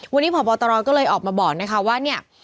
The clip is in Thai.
วันนี้พบตรก็เลยออกมาบอกนะคะว่าเนี่ย